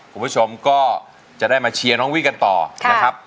คุณผู้ชมก็จะได้มาเชียร์น้องวิกันต่อนะครับ